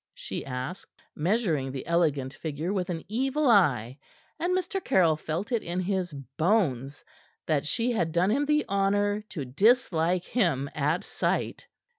she asked, measuring the elegant figure with an evil eye. And Mr. Caryll felt it in his bones that she had done him the honor to dislike him at sight.